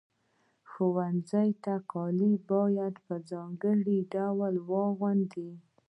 ښوونځي ته کالي باید په ځانګړي ډول واغوندئ.